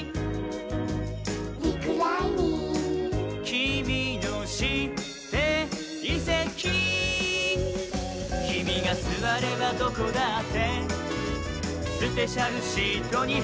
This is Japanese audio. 「きみのしていせき」「きみがすわればどこだってスペシャルシートにはやがわり」